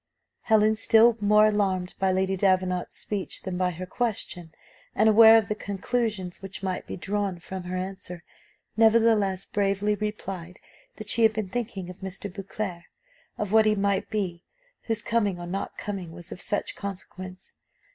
'" Helen, still more alarmed by Lady Davenant's speech than by her question, and aware of the conclusions which might be drawn from her answer, nevertheless bravely replied that she had been thinking of Mr. Beauclerc, of what he might be whose coming or not coming was of such consequence.